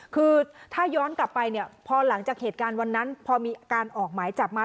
คือถ้าย้อนกลับไปเนี่ยพอหลังจากเหตุการณ์วันนั้นพอมีการออกหมายจับมา